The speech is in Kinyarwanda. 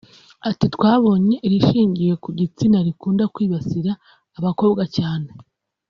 Ati “Twabonye irishingiye ku gitsina rikunda kwibasira abakobwa cyane